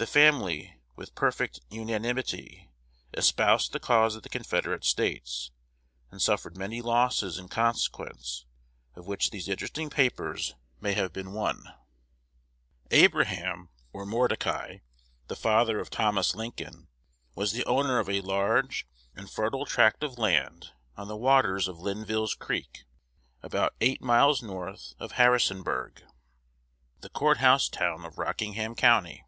The family, with perfect unanimity, espoused the cause of the Confederate States, and suffered many losses in consequence, of which these interesting papers may have been one. 1 The Life of Abraham Lincoln, by J. G. Holland, p. 20. Abraham (or Mordecai) the father of Thomas Lincoln, was the owner of a large and fertile tract of land on the waters of Linnville's Creek, about eight miles north of Harrisonburg, the court house town of Rockingham County.